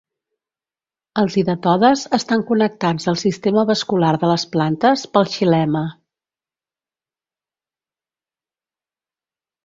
Els hidatodes estan connectats al sistema vascular de les plantes pel xilema.